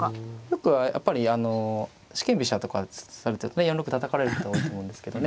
よくやっぱり四間飛車とかされてるとね４六たたかれる人多いと思うんですけどね